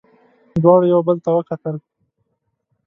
دواړو یو بل ته وکتل.